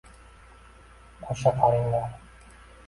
Qo‘sha qaringlar.